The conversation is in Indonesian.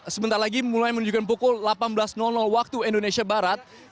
sebentar lagi mulai menunjukkan pukul delapan belas waktu indonesia barat